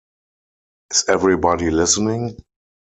Is Everybody Listening?